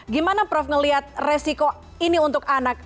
gimana prof ngelihat resiko ini untuk anak